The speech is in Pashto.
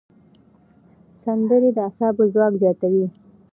سندرې د اعصابو ځواک زیاتوي.